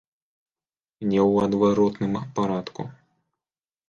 Не ў адваротным парадку.